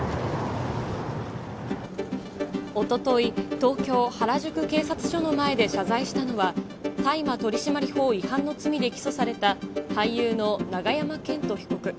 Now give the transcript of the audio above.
おととい、東京・原宿警察署の前で謝罪したのは、大麻取締法違反の罪で起訴された、俳優の永山絢斗被告。